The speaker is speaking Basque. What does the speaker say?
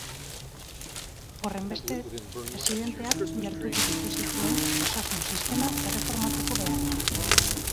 Horrenbestez, presidenteak gertutik ikusi zuen osasun sistema erreformatzeko beharra.